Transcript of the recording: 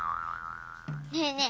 ねえねえ